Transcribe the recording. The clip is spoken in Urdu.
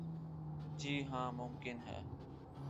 جی ہاں ممکن ہے ۔